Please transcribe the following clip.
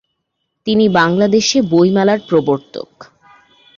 তিনি বাংলাদেশে বইমেলার প্রবর্তক।